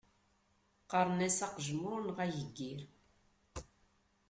Qqaren-as aqejmur neɣ ageyyir.